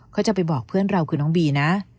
เขาจะไปบอกเพื่อนเราคือน้องบีนะ